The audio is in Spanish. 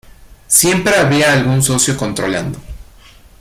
Siempre había algún socio controlando.